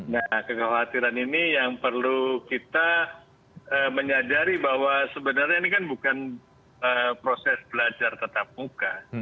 nah kekhawatiran ini yang perlu kita menyadari bahwa sebenarnya ini kan bukan proses belajar tetap muka